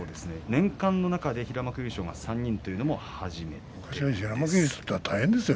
年間優勝で平幕優勝が３人というのは初めてです。